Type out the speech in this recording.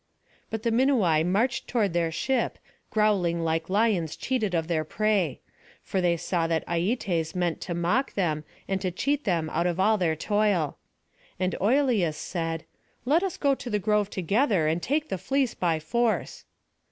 But the Minuai marched toward their ship, growling like lions cheated of their prey; for they saw that Aietes meant to mock them, and to cheat them out of all their toil. And Oileus said, "Let us go to the grove together, and take the fleece by force."